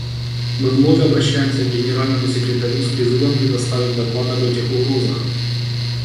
Мы вновь обращаемся к Генеральному секретарю с призывом представить доклад об этих угрозах.